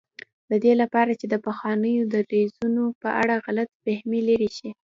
د دې لپاره چې د پخوانیو دریځونو په اړه غلط فهمي لرې شي.